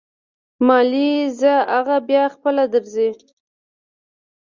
مالې ځه اغه بيا خپله درځي.